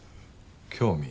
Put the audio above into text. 興味？